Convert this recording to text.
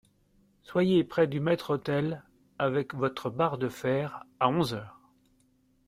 Soyez près du maître-autel avec votre barre de fer à onze heures.